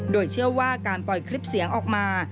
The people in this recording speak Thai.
โดยเชื่อว่าการปล่อยคลิปเสียงออกมา